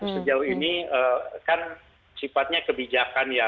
sejauh ini kan sifatnya kebijakan ya